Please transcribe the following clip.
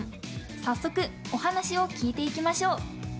早速、お話を聞いていきましょう。